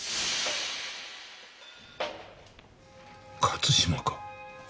勝島か？